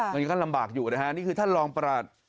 มันก็ลำบากอยู่นะฮะนี่คือท่านรองประหลัด